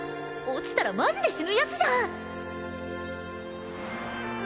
落ちたらマジで死ぬやつじゃん！